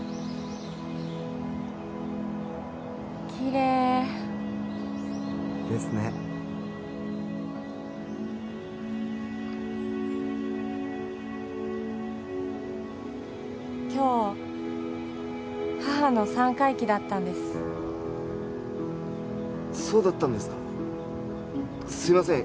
きれいですね今日母の三回忌だったんですそうだったんですかすいません